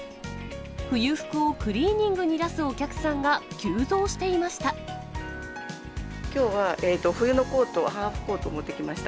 冬服をクリーニングに出すお客さきょうは冬のコート、ハーフコートを持ってきました。